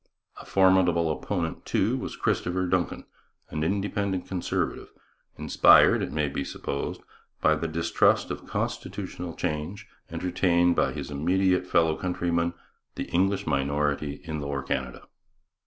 A formidable opponent, too, was Christopher Dunkin, an independent Conservative, inspired, it may be supposed, by the distrust of constitutional change entertained by his immediate fellow countrymen, the English minority in Lower Canada.